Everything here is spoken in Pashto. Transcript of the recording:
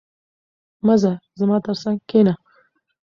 مه ځه، زما تر څنګ کښېنه.